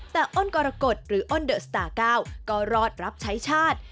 แต่อ้นกรกฎหรืออ้นเดอะสตาร์๙ก็รอดรับใช้ชาติ